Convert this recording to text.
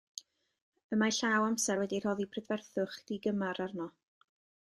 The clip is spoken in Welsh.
Y mae llaw amser wedi rhoddi prydferthwch digymar arno.